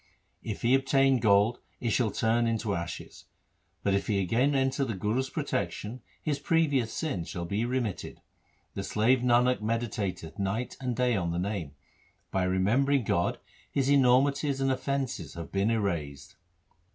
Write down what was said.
If he obtain gold it shall turn into ashes ; but, if he again enter the Guru's protection, his previous sins shall be remitted. The slave Nanak meditateth night and day on the Name ; by remembering God his enormities and offences have been erased.